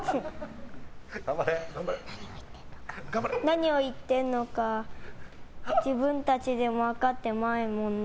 何を言ってるのか自分たちでも分かってないもんね。